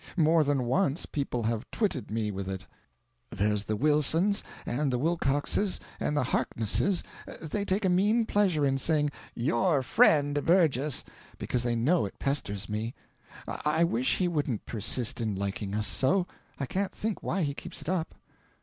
More than once people have twitted me with it. There's the Wilsons, and the Wilcoxes, and the Harknesses, they take a mean pleasure in saying 'YOUR FRIEND Burgess,' because they know it pesters me. I wish he wouldn't persist in liking us so; I can't think why he keeps it up."